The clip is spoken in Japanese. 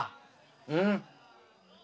うん？